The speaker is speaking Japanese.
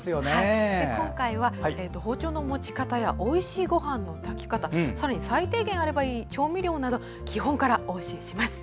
今回は、包丁の持ち方やおいしいごはんの炊き方さらに最低限あればいい調味料など基本からお教えします。